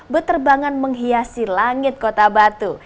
beterbangan menghiasi langit kota batu